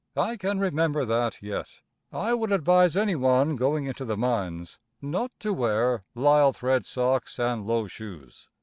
I can remember that yet. I would advise anyone going into the mines not to wear lisle thread socks and low shoes.